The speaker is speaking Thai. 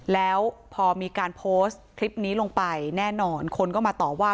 แล้วพอมีการโพสต์คลิปนี้ลงไปแน่นอนคนก็มาต่อว่า